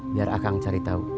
biar akang cari tau